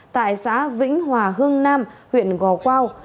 tại xã vĩnh hòa hương nam huyện gò quao